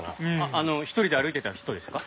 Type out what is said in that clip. あの１人で歩いてた人ですか？